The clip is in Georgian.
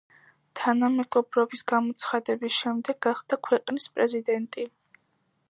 თანამეგობრობის გამოცხადების შემდეგ გახდა ქვეყნის პრეზიდენტი.